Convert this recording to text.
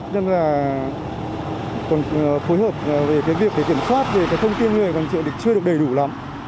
nên là còn phối hợp với việc kiểm soát về thông tin người còn chưa được đầy đủ lắm